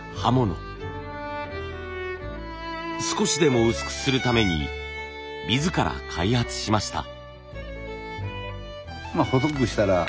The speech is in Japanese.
少しでも薄くするために自ら開発しました。